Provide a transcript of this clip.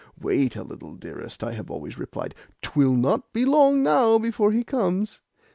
'Wait a little dearest,' I have always replied. ''Twill not be long now before he comes.